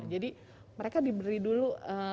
jadi mereka diberi dulu